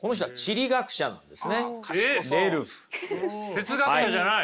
哲学者じゃない。